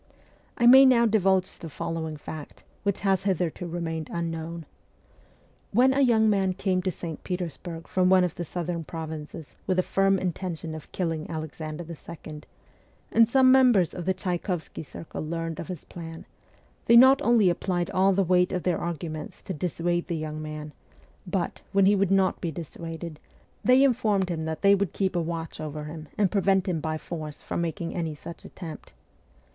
I may now divulge the following fact, which has hitherto remained unknown. When a young man came to St. Petersburg from one of the southern provinces with the firm intention of killing Alexander II., and some members of the Tchaykovsky circle learned of his plan, they not only applied all the weight of their arguments to dissuade the young man, but, when he would not be dissuaded, they informed him that they would keep a watch over him and pre vent him by force from making any such attempt.